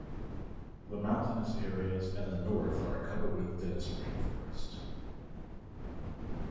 The mountainous areas and the north are covered with dense rainforest.